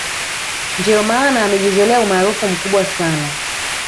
ndio maana amejizolea umaarufu mkubwa sana